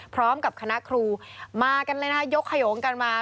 พร้อมกับคณะครูมากันเลยนะยกขยงกันมา